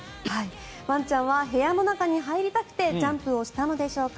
ワンちゃんは部屋の中に入りたくてジャンプをしたのでしょうか。